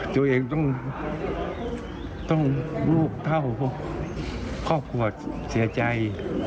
ตัวเองต้องลูกเท่าครอบครัวเสียใจ